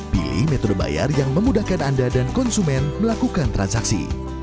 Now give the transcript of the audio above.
pilih metode bayar yang memudahkan anda dan konsumen melakukan transaksi